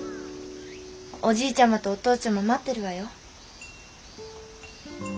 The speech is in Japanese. おじいちゃまとお父ちゃま待ってるわよ。